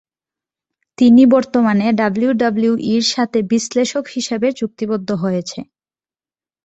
তিনি বর্তমানে ডাব্লিউডাব্লিউইর সাথে বিশ্লেষক হিসেবে চুক্তিবদ্ধ হয়েছে।